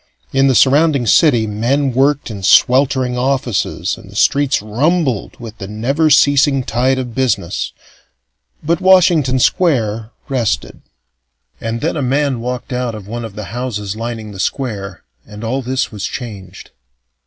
In the surrounding city, men worked in sweltering offices and the streets rumbled with the never ceasing tide of business but Washington Square rested. And then a man walked out of one of the houses lining the square, and all this was changed.